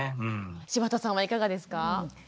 柴田さんはいかがですか？